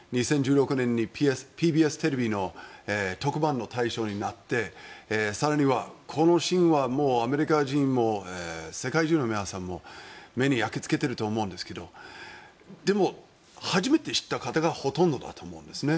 ２０１６年にＴＢＳテレビの特番の対象になって更にはこのシーンはアメリカ人も世界中の皆さんも目に焼きつけていると思うんですがでも初めて知った方がほとんどだと思うんですね。